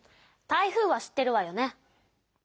台風は知ってるわよね？